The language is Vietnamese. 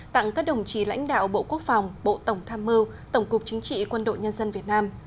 tặng các đồng chí lãnh đạo bộ quốc phòng bộ tổng tham mưu tổng cục chính trị quân đội nhân dân việt nam